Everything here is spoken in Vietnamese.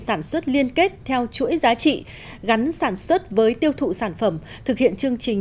sản xuất liên kết theo chuỗi giá trị gắn sản xuất với tiêu thụ sản phẩm thực hiện chương trình